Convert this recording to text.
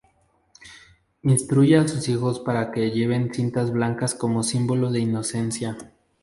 Instruye a sus hijos para que lleven cintas blancas como símbolo de inocencia.